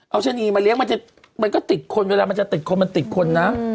เอาชะนีมาเลี้ยมันก็ติดคนเวลามันจะติดคนมันติดคนนะ